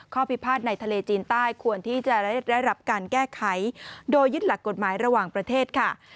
พิพาทในทะเลจีนใต้ควรที่จะได้รับการแก้ไขโดยยึดหลักกฎหมายระหว่างประเทศค่ะ